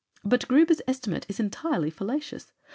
But Gruber's estimate is entirely fallacious.